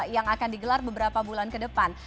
yang akan digelar beberapa bulan ke depan